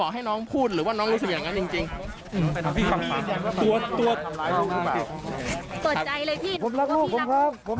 เราอยากพูดอะไรอยากพูดอะไรถึงเมียบ้าง